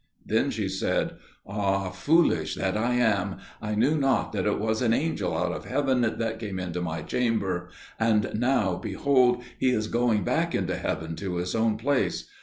Then she said, "Ah, foolish that I am! I knew not that it was an angel out of heaven that came into my chamber, and now, behold, he is going back into heaven to his own place.